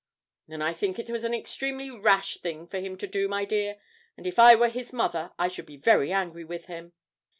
'Then I think it was an extremely rash thing for him to do, my dear; and if I were his mother I should be very angry with him.'